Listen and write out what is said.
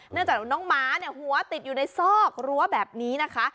เนื่องจากน้องหมาหัวติดอยู่ในซอกรั้วแบบนี้นะคะ